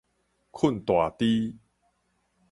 睏大豬